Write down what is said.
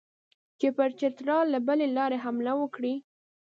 چې پر چترال له بلې لارې حمله وکړي.